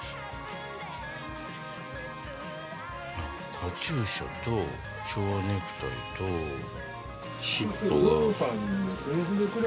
カチューシャとちょうネクタイと尻尾が。